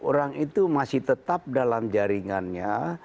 orang itu masih tetap dalam jaringannya